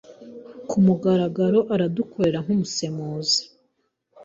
Kumugaragaro, aradukorera nkumusemuzi.